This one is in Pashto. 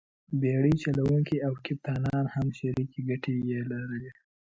بېړۍ چلوونکي او کپټانان هم شریکې ګټې یې لرلې.